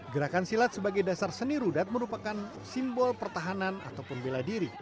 gerakan silat sebagai dasar seni rudat merupakan simbol pertahanan ataupun bela diri